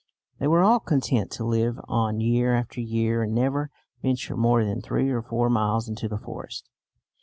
They were all content to live on year after year and never venture more than three or four miles into the forest.